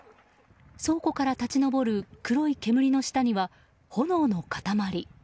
倉庫から立ち上る黒い煙の下には炎の固まり。